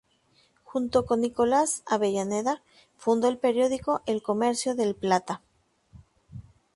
Junto con Nicolás Avellaneda fundó el periódico "El Comercio del Plata".